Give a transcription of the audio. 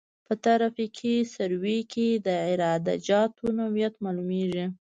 په ترافیکي سروې کې د عراده جاتو نوعیت معلومیږي